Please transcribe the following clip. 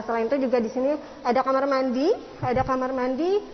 selain itu juga di sini ada kamar mandi